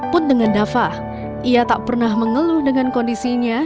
pun dengan dafah ia tak pernah mengeluh dengan kondisinya